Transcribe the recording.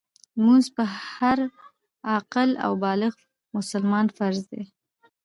لمونځ په هر عاقل او بالغ مسلمان فرض دی .